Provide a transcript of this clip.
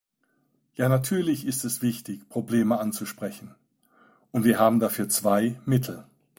Ja, natürlich ist es wichtig, Probleme anzusprechen, und wir haben dafür zwei Mittel.